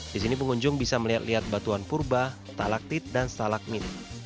di sini pengunjung bisa melihat lihat batuan purba talaktit dan stalakment